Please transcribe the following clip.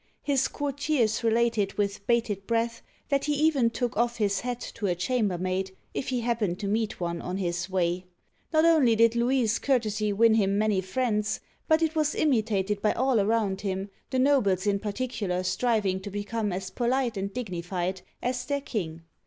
His court iers related with bated breath that he even took off his hat to a chambermaid, if he happened to meet one on his way ! Not only did Louis's courtesy win him many friends, but it was imitated by all around him, the nobles in par ticular striving to become as polite and dignified as their king.